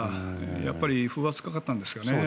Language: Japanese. やっぱり風圧がかかったんですかね。